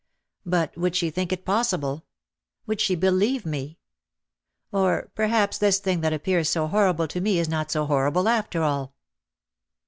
But would she think it possible? Would she be lieve me ? Or perhaps this thing that appears so horrible to me is not so horrible after all.